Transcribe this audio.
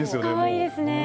かわいいですね。